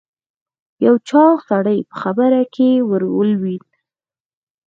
یو چاغ سړی په خبره کې ور ولوېد.